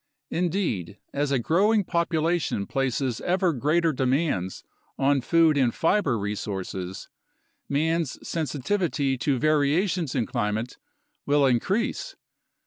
Indeed, as a growing population places ever greater demands on food and fiber resources, man's sensitiv ity to variations in climate will increase.